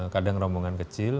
kadang rombongan kecil